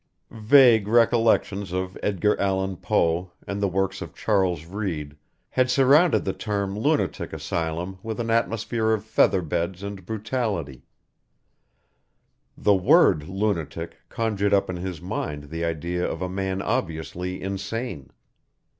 Vague recollections of Edgar Allan Poe and the works of Charles Reade had surrounded the term lunatic asylum with an atmosphere of feather beds and brutality; the word lunatic conjured up in his mind the idea of a man obviously insane.